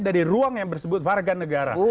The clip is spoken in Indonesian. dari ruang yang disebut warga negara